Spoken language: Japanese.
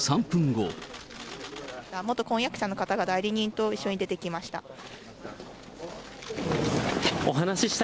元婚約者の方が、代理人と一緒に出てきました。